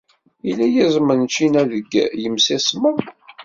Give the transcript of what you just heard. Yella yiẓem n ččina deg yimsismeḍ.